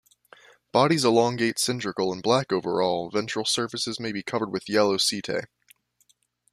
Bodies elongate-cylindrical and black overall; ventral surfaces may be covered with yellow setae.